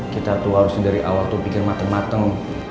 kita tuh harusnya dari awal tuh pikir mateng mateng